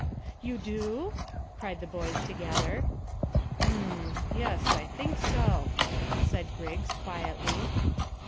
"You do?" cried the boys together. "'M, yes, I think so," said Griggs quietly.